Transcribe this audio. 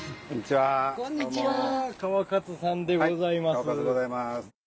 はい川勝でございます。